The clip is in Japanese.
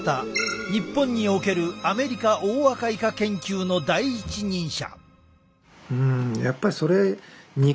日本におけるアメリカオオアカイカ研究の第一人者。